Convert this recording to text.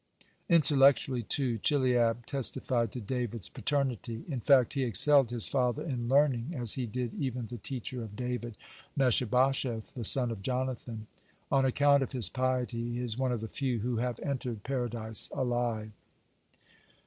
(140) Intellectually, too, Chileab testified to David's paternity. In fact, he excelled his father in learning, as he did even the teacher of David, Mephibosheth, the son of Jonathan. (141) On account of his piety he is one of the few who have entered Paradise alive.